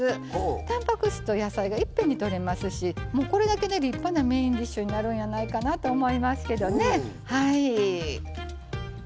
たんぱく質と野菜がいっぺんにとれますしこれだけで立派なメインディッシュになるんやないかなと思いますけどね。